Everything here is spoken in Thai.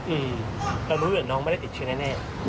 อืมแล้วน้องไม่ได้ติดเชื้อแน่